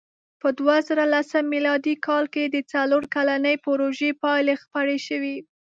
په دوهزرهلسم مېلادي کال کې د څلور کلنې پروژې پایلې خپرې شوې.